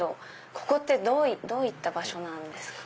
ここってどういった場所なんですか？